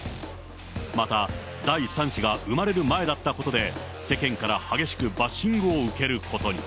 また、第３子が生まれる前だったことで、世間から激しくバッシングを受けることに。